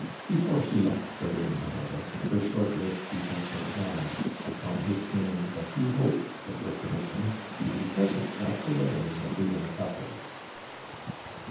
Before she left the room, however, her short lived resentment vanished, upon his saying that he hoped, with her permission, to be present at the wedding of the young couple.